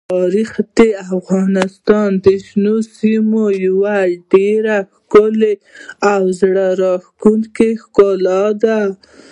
تاریخ د افغانستان د شنو سیمو یوه ډېره ښکلې او زړه راښکونکې ښکلا ده.